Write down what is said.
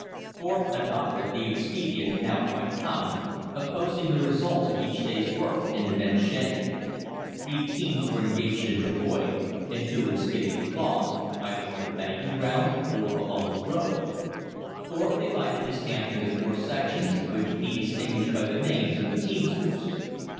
Thorpe adopted the expedient, now quite common, of posting the results of each day's work in the men's shanty. Three teams were engaged in travoying, and two in skidding the logs, either on the banking ground, or along the road. Thorpe divided his camp into four sections, which he distinguished by the names of the teamsters.